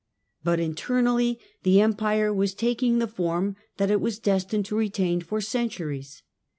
But internally the Empire was taking the form that it was destined to retain for centuries.